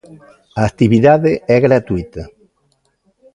A actividade é gratuíta.